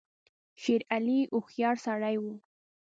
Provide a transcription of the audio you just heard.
شېر علي هوښیار سړی وو.